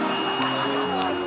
すごーい！